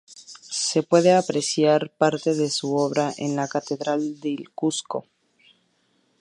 Se puede apreciar parte de su obra en la Catedral del Cuzco.